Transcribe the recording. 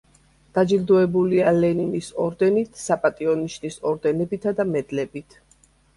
დაჯილდოებულია ლენინის ორდენით, „საპატიო ნიშნის“ ორდენებითა და მედლებით.